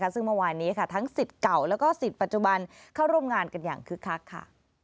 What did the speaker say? ซึ่งเมื่อวานนี้ทั้งสิทธิ์เก่าแล้วก็สิทธิ์ปัจจุบันเข้าร่วมงานกันอย่างคึกคักค่ะ